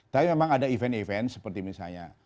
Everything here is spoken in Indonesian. tapi memang ada event event seperti misalnya